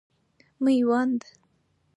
میوند